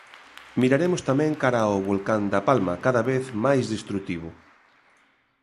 Miraremos tamén cara ao volcán da Palma, cada vez máis destrutivo.